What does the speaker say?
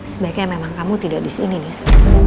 sebaiknya memang kamu tidak disini nis